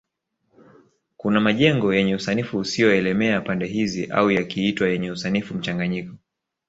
kuna majengo yenye usanifu usio elemea pande hizi au yakiitwa yenye usanifu mchanganyiko